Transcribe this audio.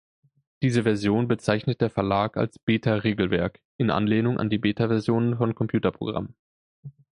Diese Version bezeichnet der Verlag als „Beta-Regelwerk“, in Anlehnung an die Beta-Versionen von Computerprogrammen.